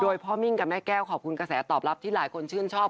โดยพ่อมิ้งกับแม่แก้วขอบคุณกระแสตอบรับที่หลายคนชื่นชอบ